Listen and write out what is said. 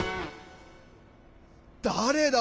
だれだ？